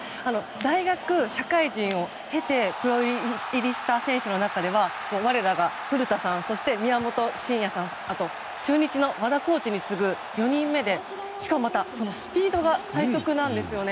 大学、社会人を経てプロ入りした選手の中では我らが古田さん、宮本慎也さんあと中日の和田コーチに次ぐ４人目でしかもスピードが最速なんですよね。